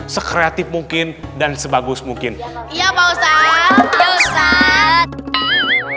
sekreatif mungkin dan sebagus mungkin ya pak ustadz ya ustadz